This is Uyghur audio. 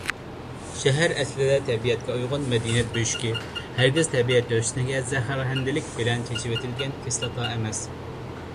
شەھەر ئەسلىدە تەبىئەتكە ئۇيغۇن مەدەنىيەت بۆشۈكى، ھەرگىز تەبىئەت ھۆسنىگە زەھەرخەندىلىك بىلەن چېچىۋېتىلگەن كىسلاتا ئەمەس.